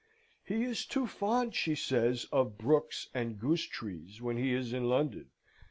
He is too fond, she says, of Brookes's and Goosetree's when he is in London.